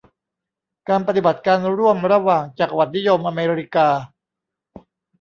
การปฏิบัติการร่วมระหว่างจักรวรรดินิยมอเมริกา